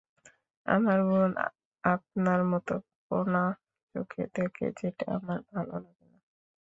আমার বোন আপনার মত কোণা চোখে দেখে যেটা আমার ভালো লাগে না।